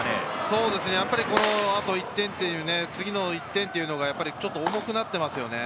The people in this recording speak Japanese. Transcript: そうですね、あと１点という次の１点がちょっと重くなってますよね。